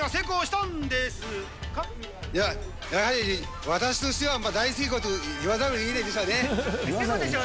いや、やはり私としては、大成功と言わざるをえないでしょうね。